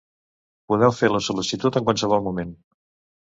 Podeu fer la sol·licitud en qualsevol moment.